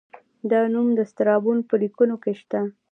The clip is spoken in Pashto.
دا نوم د سترابون په لیکنو کې شته